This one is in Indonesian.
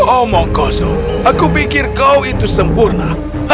oh makasih aku pikir kau itu sempurna